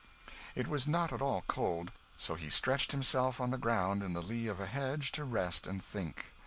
It was not at all cold; so he stretched himself on the ground in the lee of a hedge to rest and think.